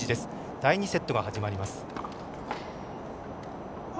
第２セットが始まります。